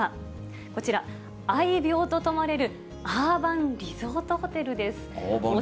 こちら、愛猫と泊まれるアーバンリゾートホテルです。